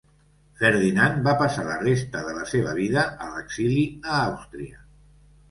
Ferdinand va passar la resta de la seva vida a l'exili a Àustria.